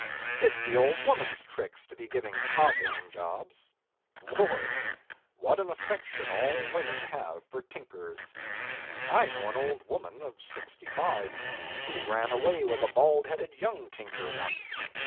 It's the old woman's tricks to be giving cobbling jobs. Lord! what an affection all old women have for tinkers. I know an old woman of sixty five who ran away with a bald headed young tinker once.